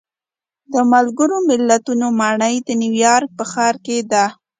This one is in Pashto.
د ملګرو ملتونو ماڼۍ د نیویارک په ښار کې ده.